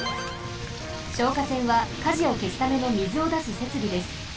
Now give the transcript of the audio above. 消火栓は火事をけすためのみずをだすせつびです。